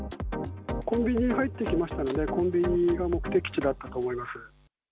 コンビニに入っていきましたので、コンビニが目的地だったと思います。